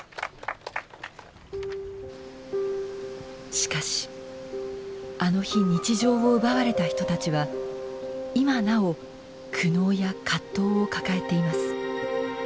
しかしあの日日常を奪われた人たちは今なお苦悩や葛藤を抱えています。